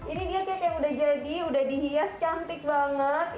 ini dia cap yang udah jadi udah dihias cantik banget